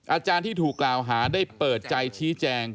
อาจารย์ที่ถูกกล่าวหาได้เปิดใจชี้แจง